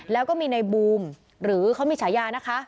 แล้วก็มีในบูมหรือเขามีฉายานะคะ